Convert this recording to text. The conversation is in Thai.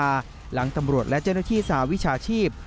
พักเด็กนครราชสิมามิหลังตำรวจและจนพิธีสหวิชาชีพ